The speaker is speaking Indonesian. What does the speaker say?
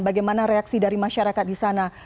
bagaimana reaksi dari masyarakat di sana